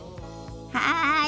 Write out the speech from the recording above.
はい！